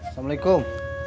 sekali lagi confirm crual